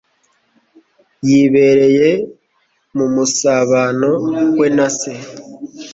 Yibereye mu musabano we na Se,